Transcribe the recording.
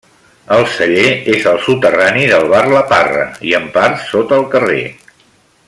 El celler és al soterrani del bar la Parra, i en part sota el carrer.